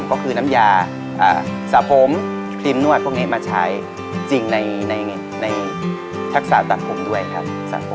ก็คือน้ำยาสระผมครีมนวดพวกนี้มาใช้จริงในทักษะตัดผมด้วยครับผม